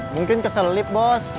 mungkin kesel lip bos